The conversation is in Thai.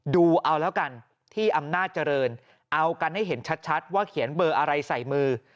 ดูเอาแล้วกันที่อำนาจเจริญเอากันให้เห็นชัดว่าเขียนเบอร์อะไรใส่มือ